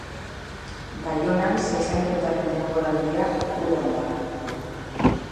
Baionan zezenketaren denboraldia udan da.